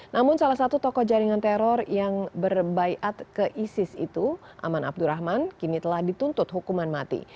namun salah satu tokoh jaringan teror yang berbaiat ke isis itu aman abdurrahman kini telah dituntut hukuman mati